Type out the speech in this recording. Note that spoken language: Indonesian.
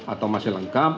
atau masih lengkap